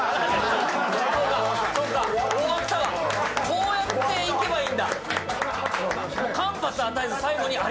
こうやっていけばいいんだ。